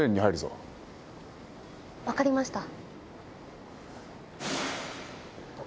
分かりました。